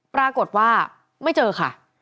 ปรากฏว่าไม่เจอค่ะ